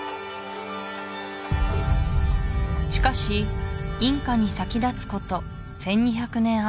しかしインカに先立つこと１２００年